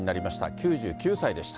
９９歳でした。